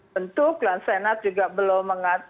bentuk dan senat juga belum mengatakan